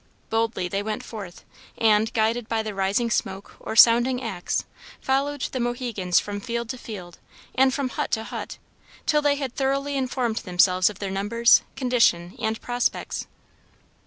Boldly they went forth, and, guided by the rising smoke or sounding axe, followed the Mohegans from field to field, and from hut to hut, till they had thoroughly informed themselves of their numbers, condition, and prospects.